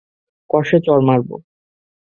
কষে চড় মারব।